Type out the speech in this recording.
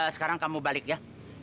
sekarang kamu balik ya